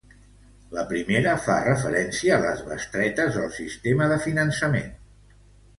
La primera fa referència a les bestretes del sistema de finançament.